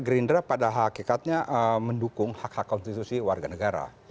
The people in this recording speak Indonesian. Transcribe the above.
gerindra pada hakikatnya mendukung hak hak konstitusi warga negara